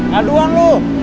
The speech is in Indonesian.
kau aduan lo